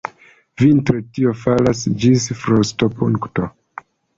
Vintre tio falas ĝis frostopunkto.